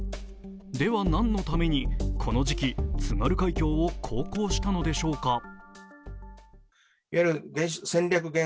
では、何のためにこの時期、津軽海峡を航行したのでしょうか。